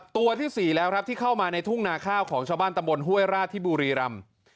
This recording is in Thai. ตัวที่๔แล้วครับที่เข้ามาในทุ่งนาข้าวของชาวบ้านตำบลห้วยราชที่บุรีรำ